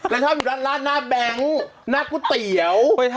ชอบอยู่ร้านหน้าแบงค์หน้าก๋วยเตี๋ยว